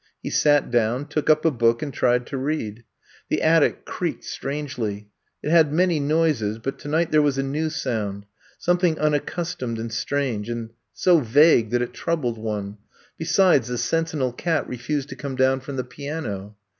He sat down, took up a book and tried to read. The attic creaked strangely. It had many noises, but tonight there was a new sound, something unaccustomed and strange and so vague that it troubled one — besides, the sentinel cat refused to come down from the piano.